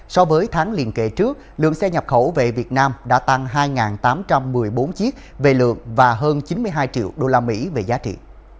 so với tháng liền kề trước lượng xe nhập khẩu về việt nam đã tăng hai tám trăm một mươi bốn chiếc về lượng và hơn chín mươi hai triệu usd về giá trị